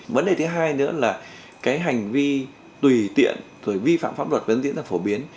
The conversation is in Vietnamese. vấn đề thứ hai nữa là cái hành vi tùy tiện rồi vi phạm pháp luật vẫn diễn ra phổ biến